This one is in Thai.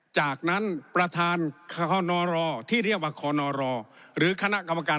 จากนั้นประธานคนรที่เรียกว่าคนรหรือคณะกรรมการ